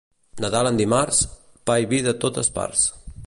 Nadal en dimarts, pa i vi de totes parts.